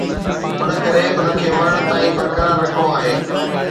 ان ڪري ان کي مرڻ تائين برقرار رکڻو آهي